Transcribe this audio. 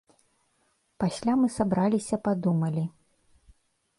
Пасля мы сабраліся падумалі.